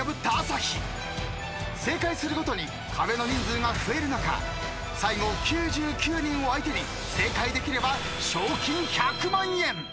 正解するごとに壁の人数が増える中最後９９人を相手に正解できれば賞金１００万円。